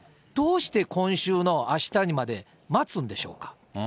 どうして今週のあしたにまで待つんでしょうか。